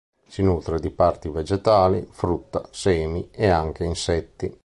Si nutre di parti vegetali, frutta, semi e anche insetti.